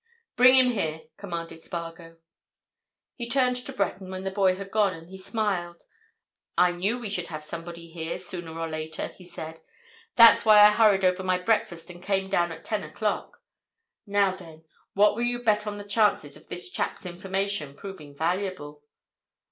"Bring him here," commanded Spargo. He turned to Breton when the boy had gone, and he smiled. "I knew we should have somebody here sooner or later," he said. "That's why I hurried over my breakfast and came down at ten o'clock. Now then, what will you bet on the chances of this chap's information proving valuable?"